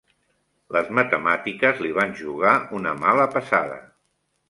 Les matemàtiques li van jugar una mala passada.